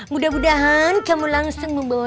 mudah mudahan kamu langsung membawa